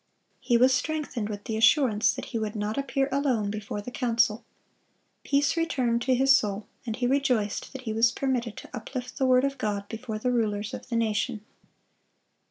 He was strengthened with the assurance that he would not appear alone before the council. Peace returned to his soul, and he rejoiced that he was permitted to uplift the word of God before the rulers of the nation.